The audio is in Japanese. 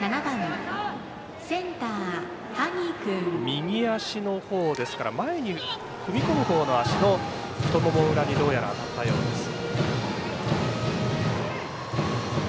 右足のほうですから前に踏み込むほうの足の太もも裏にどうやら当たったようです。